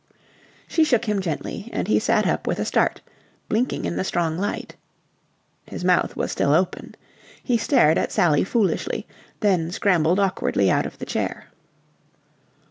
She shook him gently, and he sat up with a start, blinking in the strong light. His mouth was still open. He stared at Sally foolishly, then scrambled awkwardly out of the chair.